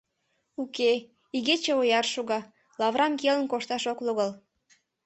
— Уке, игече ояр шога, лаврам келын кошташ ок логал...